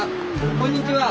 こんにちは。